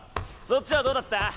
そっちはどうだった？